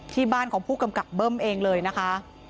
ที่บ้านของผู้กำกับเบิ้มเองเลยนะคะ